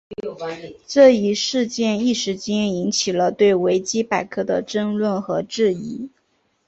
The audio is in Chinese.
这一事件一时间引起了对维基百科的争论和质疑。